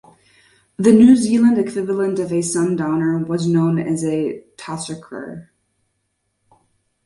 The New Zealand equivalent of a sundowner was known as a "tussocker".